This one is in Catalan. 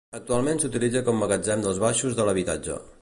Actualment s'utilitza com magatzem dels baixos de l'habitatge.